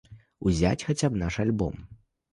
Узяць хаця б наш альбом.